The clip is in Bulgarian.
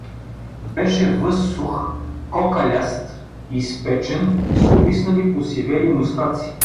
Беше възсух, кокаляст, изпечен, с увиснали посивели мустаци.